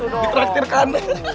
wih di traktirkan